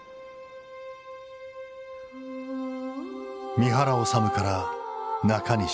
三原脩から中西太。